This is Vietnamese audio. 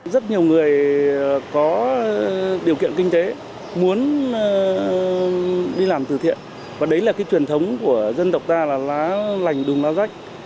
rất nhiều người có điều kiện kinh tế muốn đi làm từ thiện và đấy là cái truyền thống của dân tộc ta là lá lành đùm lá rách